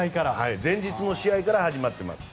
前日の試合から始まってます。